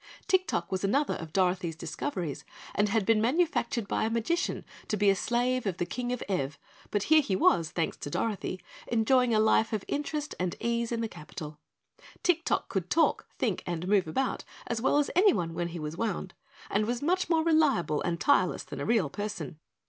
Tik Tok was another of Dorothy's discoveries and had been manufactured by a magician to be a slave of the King of Ev, but here he was, thanks to Dorothy, enjoying a life of interest and ease in the capital. Tik Tok could talk, think, and move about as well as anyone when he was wound, and was much more reliable and tireless than a real person.